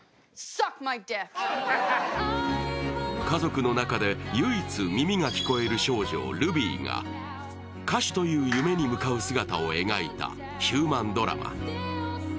家族の中で唯一、耳が聞こえる少女、ルビーが歌手という夢に向かう姿を描いたヒューマンドラマ。